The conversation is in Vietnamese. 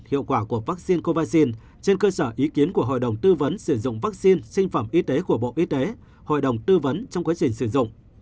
hiệu quả của vaccine covid trên cơ sở ý kiến của hội đồng tư vấn sử dụng vaccine sinh phẩm y tế của bộ y tế hội đồng tư vấn trong quá trình sử dụng